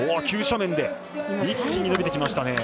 急斜面で一気に伸びていきました。